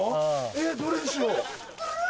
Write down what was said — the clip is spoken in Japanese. えっ？どれにしよう。